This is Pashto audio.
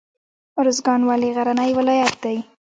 ارزګان ولې غرنی ولایت دی؟